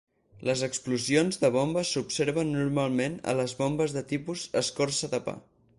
Les explosions de bomba s'observen normalment a les bombes de tipus "escorça de pa".